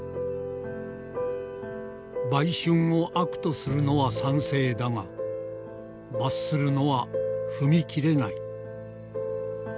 「売春を悪とするのは賛成だが罰するのは踏み切れない」。